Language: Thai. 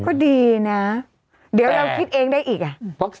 ก็ดีนะเดี๋ยวเราคิดเองได้อีกอ่ะ